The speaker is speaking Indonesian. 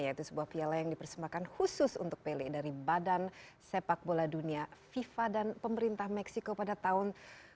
yaitu sebuah piala yang dipersembahkan khusus untuk pele dari badan sepak bola dunia fifa dan pemerintah meksiko pada tahun seribu sembilan ratus tujuh puluh